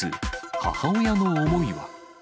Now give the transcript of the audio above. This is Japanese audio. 母親の思いは。